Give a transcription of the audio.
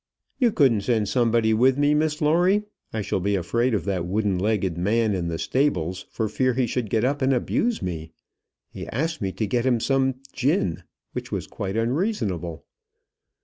"You couldn't send somebody with me, Miss Lawrie? I shall be afraid of that wooden legged man in the stables, for fear he should get up and abuse me. He asked me to get him some gin, which was quite unreasonable."